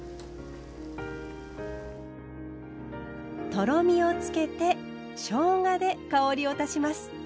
とろみをつけてしょうがで香りを足します。